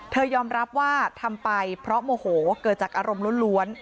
ยอมรับว่าทำไปเพราะโมโหเกิดจากอารมณ์ล้วน